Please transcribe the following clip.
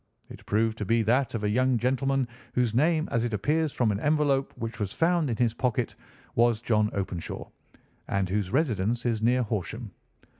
It proved to be that of a young gentleman whose name, as it appears from an envelope which was found in his pocket, was John Openshaw, and whose residence is near Horsham.